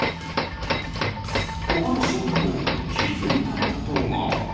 ここで慎太郎気付いたことが。